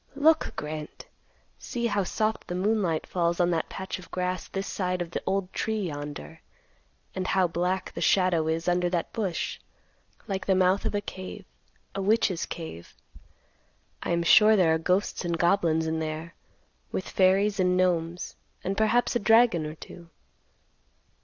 Look, Grant! See how soft the moonlight falls on that patch of grass this side of the old tree yonder, and how black the shadow is under that bush, like the mouth of a cave, a witch's cave. I am sure there are ghosts and goblins in there, with fairies and gnomes, and perhaps a dragon or two.